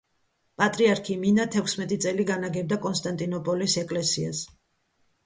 პატრიარქი მინა თექვსმეტი წელი განაგებდა კონსტანტინოპოლის ეკლესიას.